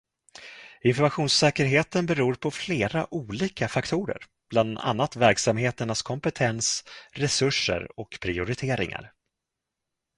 Informationssäkerheten beror på flera olika faktorer, bland annat verksamheternas kompetens, resurser och prioriteringar.